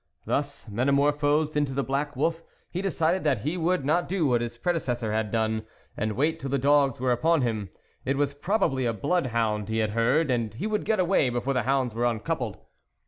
Thus metamorphosed into the black wolf, he decided that he would not do what his predecessor had done, and wait till the dogs were upon him. It was probably a bloodhound he had heard, and he would get away before the hounds were uncoupled.